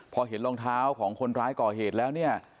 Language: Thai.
พอเห็นรองเท้าของคนร้ายก่อเหตุแล้วเนี่ย